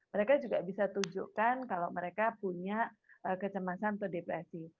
mereka juga bisa tunjukkan kalau mereka punya kecemasan untuk depresi